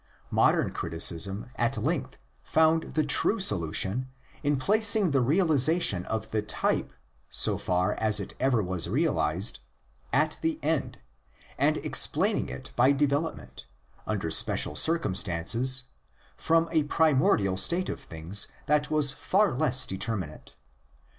Modern criticism at length found the true solution in placing the realisa tion of the type—so far as it ever was realised—at the end, and explaining it by development, under special circumstances, from a primordial state of things that was far less determinate.